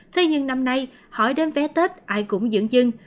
thế nhưng năm nay hỏi đến vé tết ai cũng dưỡng dưng